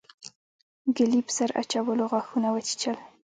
ګلي په سر اچولو غاښونه وچيچل.